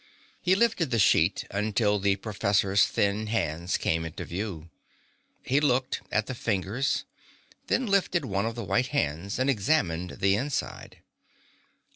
He lifted the sheet until the professor's thin hands came into view. He looked, at the fingers, then lifted one of the white hands and examined the inside.